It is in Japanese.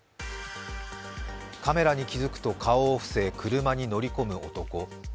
カメラに気付くと顔を伏せ車に乗り込む男。